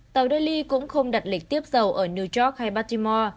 tàu delhi cũng không đặt lịch tiếp dầu ở new york hay batimo